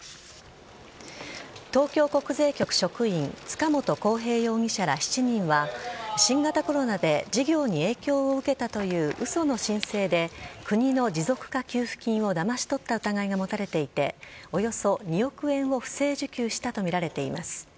東京国税局職員塚本晃平容疑者ら７人は新型コロナで事業に影響を受けたという嘘の申請で国の持続化給付金をだまし取った疑いが持たれていておよそ２億円を不正受給したとみられています。